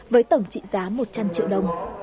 với tổng trị giá một trăm linh triệu đồng